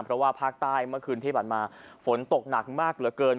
เพราะว่าภาคใต้เมื่อคืนที่ผ่านมาฝนตกหนักมากเหลือเกิน